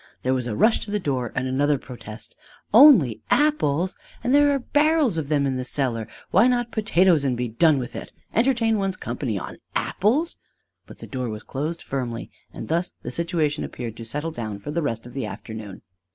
There was a rush to the door, and another protest: "Only apples, and there are barrels of them in the cellar: why not potatoes and be done with it! Entertain one's company on apples!" But the door was closed firmly, and thus the situation appeared to settle down for the rest of the afternoon.